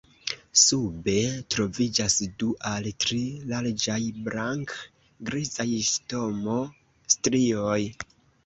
Sube troviĝas du al tri larĝaj blank-grizaj stomo-strioj.